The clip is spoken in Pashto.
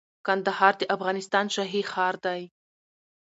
کندهار د افغانستان شاهي ښار دي